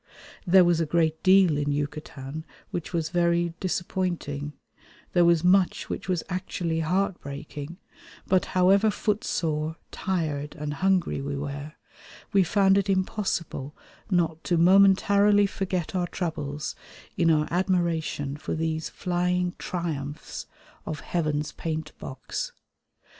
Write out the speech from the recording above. There was a great deal in Yucatan which was very disappointing; there was much which was actually heartbreaking; but however footsore, tired, and hungry we were, we found it impossible not to momentarily forget our troubles in our admiration for these flying triumphs of Heaven's paint box.